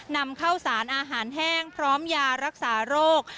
นำเข้าสารอาหารแห้งพร้อมยารักษาโรค